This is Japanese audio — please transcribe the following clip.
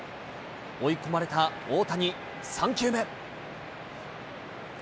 追い込まれた大谷、３球目。